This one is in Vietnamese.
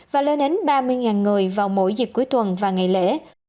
và lên đến ba mươi người vào mỗi dịp cuối tuần và ngày lễ